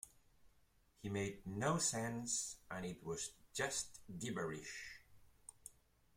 He made no sense and it was just gibberish.